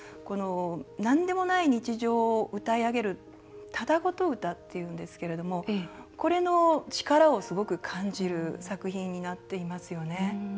なんでもない日常を歌い上げるただごと歌って、言うんですけどこれの力をすごく感じる作品になっていますよね。